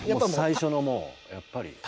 最初のもうやっぱり。